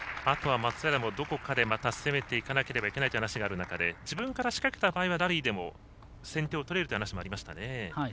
あとは松平もどこかでまた攻めていかなければいけないという話がある中で自分から仕掛けた場合はラリーでも先手が取れるというお話もありました。